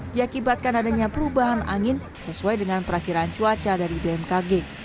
diakibatkan adanya perubahan angin sesuai dengan perakhiran cuaca dari bmkg